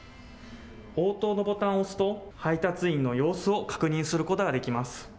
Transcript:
応答のボタンを押すと、配達員の様子を確認することができます。